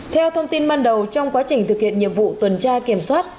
theo thông tin ban đầu trong quá trình thực hiện nhiệm vụ tuần tra kiểm soát